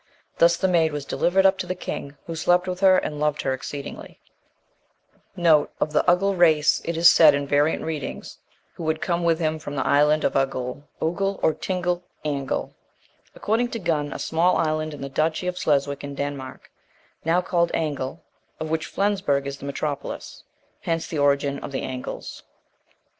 Thus the maid was delivered up to the king, who slept with her, and loved her exceedingly. (1) V.R. Who had come with him from the island of Oghgul, Oehgul (or Tingle), Angul. According to Gunn, a small island in the duchy of Sleswick in Denmark, now called Angel, of which Flensburg is the metropolis. Hence the origin of the Angles.